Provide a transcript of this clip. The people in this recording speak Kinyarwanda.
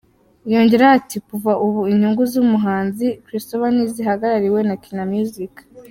Yongeraho ati “Kuva ubu inyungu z’umuhanzi Christopher ntizigihagarariwe na Kina Music.